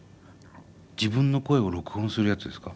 自分の声を録音するやつですか？